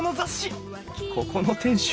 ここの店主